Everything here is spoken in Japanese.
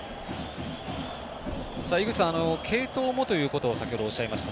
井口さん継投もということを先ほどおっしゃいました。